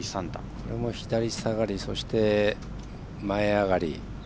これも左下がり前上がり。